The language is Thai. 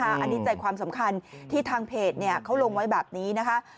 อันนี้ใจความสำคัญที่ทางเพจเขาลงไว้แบบนี้นะคะ